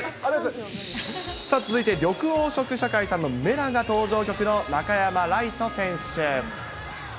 続いて、緑黄色社会さんのメラ！が登場曲の中山礼都選手。